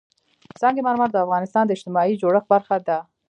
سنگ مرمر د افغانستان د اجتماعي جوړښت برخه ده.